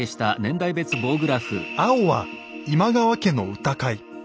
青は今川家の歌会。